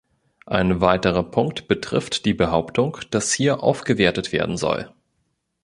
Ein weiterer Punkt betrifft die Behauptung, dass hier aufgewertet werden soll.